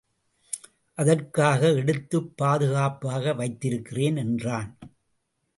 அதற்காக எடுத்துப் பாதுகாப்பாக வைத்திருக்கிறேன் என்றான்.